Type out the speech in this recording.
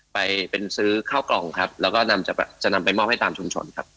ไปเป็นซื้อข้าวกล่องครับแล้วก็นำจะนำไปมอบให้ตามชุมชนครับ